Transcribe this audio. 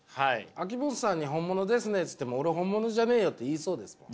秋元さんに「本物ですね」っつっても「俺本物じゃねえよ」って言いそうですもん。